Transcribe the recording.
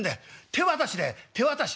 手渡しで手渡し」。